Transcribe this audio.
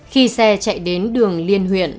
khi xe chạy đến đường liên huyện